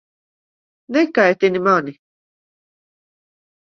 Nekaitini mani!